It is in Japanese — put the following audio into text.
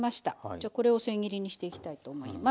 じゃあこれをせん切りにしていきたいと思います。